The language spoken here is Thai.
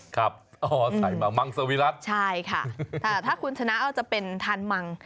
ครับอ๋อใส่มามังซาวิรัติใช่ค่ะคุณชนะจะเป็นทานมัง